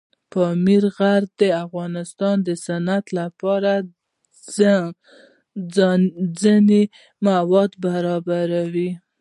پامیر د افغانستان د صنعت لپاره ځینې مواد برابروي.